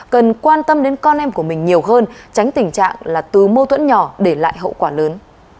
cần quan tâm đến con em của mình nhiều hơn tránh tình trạng là từ mâu thuẫn nhỏ để lại hậu quả lớn